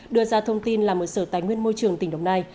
đưa ra thông tin là một sở tài nguyên môi trường tỉnh đồng nai